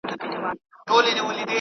له نیکه نکل هېر سوی افسانه هغسي نه ده !.